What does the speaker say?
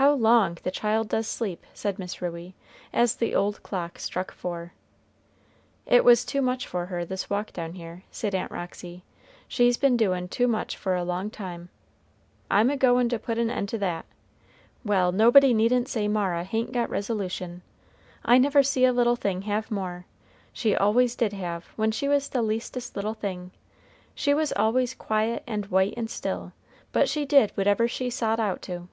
"How long the child does sleep!" said Miss Ruey as the old clock struck four. "It was too much for her, this walk down here," said Aunt Roxy. "She's been doin' too much for a long time. I'm a goin' to put an end to that. Well, nobody needn't say Mara hain't got resolution. I never see a little thing have more. She always did have, when she was the leastest little thing. She was always quiet and white and still, but she did whatever she sot out to."